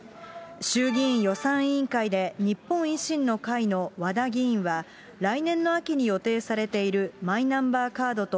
衆議院予算委員会で日本維新の会のわだ議員は、来年の秋に予定されているマイナンバーカードと、